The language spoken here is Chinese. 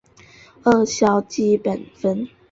二硝基苯酚